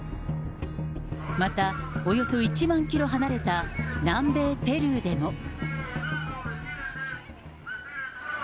またおよそ１万キロ離れた南米ペルーでも。